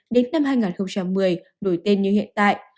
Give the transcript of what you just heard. đến năm hai nghìn một mươi đổi tên như hiện tại